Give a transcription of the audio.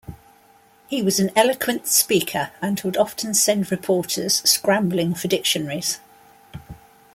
He was an eloquent speaker and would often send reporters scrambling for dictionaries.